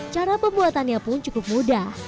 cara pembuatannya pun cukup mudah